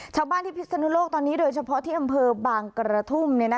ชาวบ้านที่พิศนุโลกตอนนี้โดยเฉพาะที่อำเภอบางกระทุ่ม